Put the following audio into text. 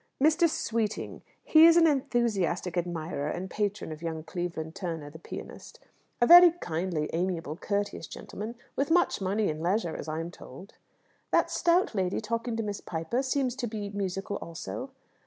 "Mr. Sweeting. He is an enthusiastic admirer and patron of young Cleveland Turner, the pianist: a very kindly, amiable, courteous gentleman, with much money and leisure, as I am told." "That stout lady talking to Miss Piper seems to be musical also?"